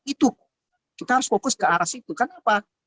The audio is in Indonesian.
itu kita harus fokus ke arah situ kenapa